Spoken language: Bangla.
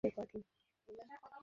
আমাদের ছাড়াছাড়ি হয়ে গেছে।